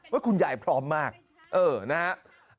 ว่าคุณยายพร้อมมากเออนะฮะ